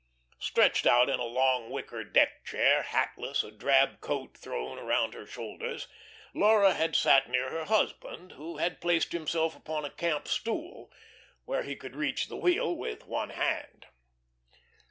Stretched out in a long wicker deck chair, hatless, a drab coat thrown around her shoulders, Laura had sat near her husband, who had placed himself upon a camp stool, where he could reach the wheel with one hand.